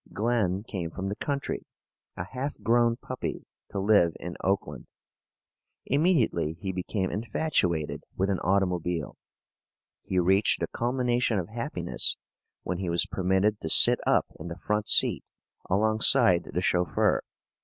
Glen came from the country, a half grown puppy, to live in Oakland. Immediately he became infatuated with an automobile. He reached the culmination of happiness when he was permitted to sit up in the front seat alongside the chauffeur.